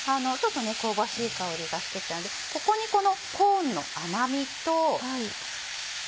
香ばしい香りがして来たんでここにこのコーンの甘味と。